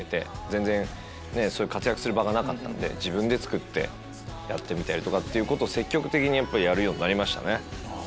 全然活躍する場がなかったので自分でつくってやってみたりっていうことを積極的にやるようになりましたね。